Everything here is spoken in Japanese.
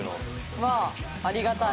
うわあありがたい。